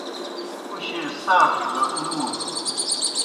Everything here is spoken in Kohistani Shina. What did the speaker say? پُشیْ اےْ ساڇھوْ دہ مُوڙوْ